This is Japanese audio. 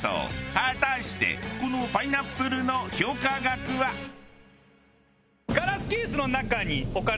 果たしてこのパイナップルの評価額は？えっ！？